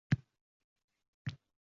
Hech kimning yonida hech kim yo'q.